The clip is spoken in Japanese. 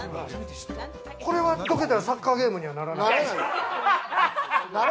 これはどけたらサッカーゲームにはならない。